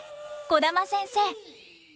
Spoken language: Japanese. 児玉先生。